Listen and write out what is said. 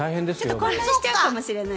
ちょっと混乱しちゃうかもしれない。